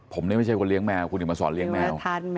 ผมนี่ไม่ใช่คนเลี้ยแมวคุณเห็นมาสอนเลี้ยแมว